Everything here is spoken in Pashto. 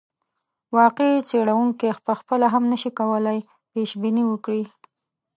واقعي څېړونکی پخپله هم نه شي کولای پیشبیني وکړي.